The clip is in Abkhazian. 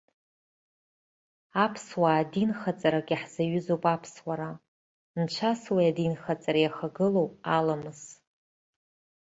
Аԥсуаа динхаҵарак иаҳзаҩызоуп аԥсуара, нцәас уи адинхаҵара иахагылоуп аламыс.